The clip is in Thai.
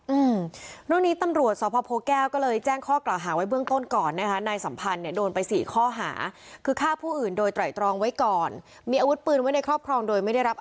อือในนี้ตำรวจศพพุแก้วก็เลยแจ้งข้อกราวหาไว้เบื้องต้นก่อนนะครับ